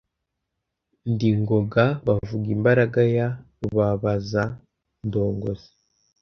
Ndi Ngoga bavuga imbaraga ya Rubabazandongozi